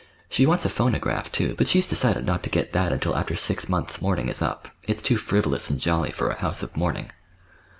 She wants a phonograph, too, but she's decided not to get that until after six months' mourning is up—it's too frivolous and jolly for a house of mourning."